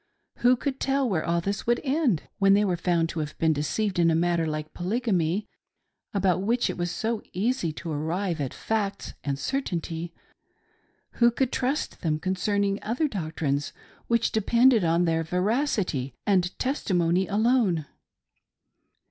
Who could tell where all this would end? When they were found to have been deceived in a matter like Polygamy, about which it was so easy to arrive at facts and certainty, who would trust them concerning other doctrines which depended upon their veracity and testimony alone